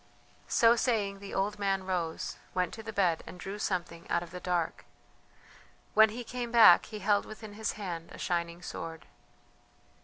So saying the old man rose, went to the bed, and drew something out of the dark. When he came back he held within his hand a shining sword.